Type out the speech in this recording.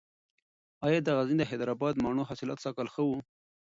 ایا د غزني د حیدر اباد د مڼو حاصلات سږکال ښه و؟